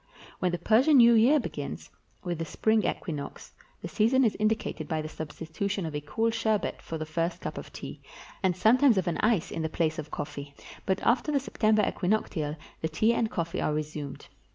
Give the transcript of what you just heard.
Wlien the Persian New Year begins, with the spring equinox, the season is indicated by the substitution of a cool sherbet for the first cup of tea, and sometimes of an ice in the place of coffee ; but after the September equinoctial the tea and coffee are resumed.